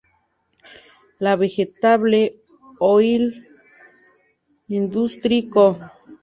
La Vegetable Oil Industry Co.